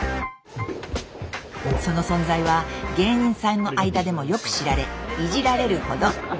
その存在は芸人さんの間でもよく知られいじられるほど。